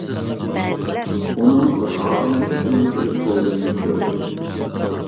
ئۇنىڭ رازىمەنلىك بىلەن كۈلۈپ قويغىنى كۆردۈم.